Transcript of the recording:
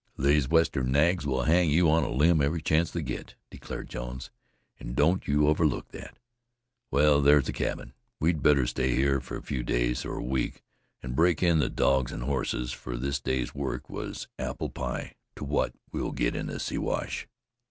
"These Western nags will hang you on a line every chance they get," declared Jones, "and don't you overlook that. Well, there's the cabin. We'd better stay here a few days or a week and break in the dogs and horses, for this day's work was apple pie to what we'll get in the Siwash."